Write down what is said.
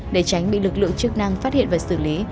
để tránh bị lực lượng chức năng phát hiện và xử lý